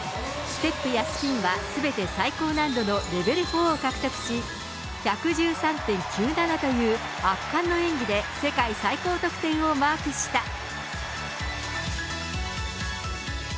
ステップやスピンはすべて最高難度のレベル４を獲得し、１１３でん９７という圧巻の演技で世界最高得点をマークした。